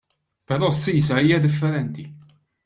Però s-sisa hija differenti.